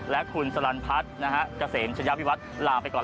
และคุณสลันพัฒน์เกษมชะยาวิวัฒน์ลาไปก่อน